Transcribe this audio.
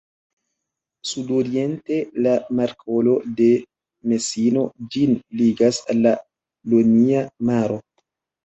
Sudoriente la Markolo de Mesino ĝin ligas al la Ionia Maro.